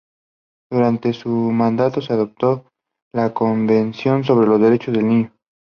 Durante su mandato, se adoptó la Convención sobre los Derechos del Niño.